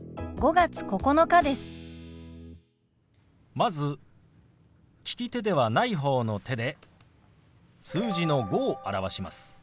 まず利き手ではない方の手で数字の「５」を表します。